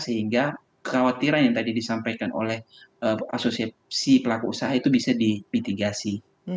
sehingga kekhawatiran yang tadi disampaikan oleh asosiasi pelaku usaha itu bisa dimitigasi